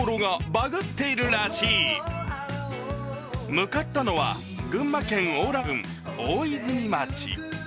向かったのは群馬県邑楽郡大泉町。